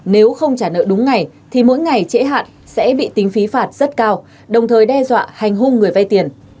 nếu không trả nợ đúng ngày thì mỗi ngày trễ hạn sẽ bị tính phí phạt rất cao đồng thời đe dọa hành hung người vay tiền